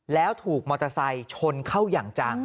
แล้วถูกมอเตอร์ไซค์ชนเข้าอย่างจัง